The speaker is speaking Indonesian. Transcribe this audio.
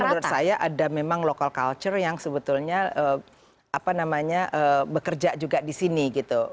jadi menurut saya ada memang local culture yang sebetulnya apa namanya bekerja juga di sini gitu